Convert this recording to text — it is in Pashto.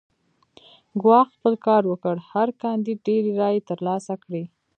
ګواښ خپل کار وکړ هر کاندید ډېرې رایې ترلاسه کړې.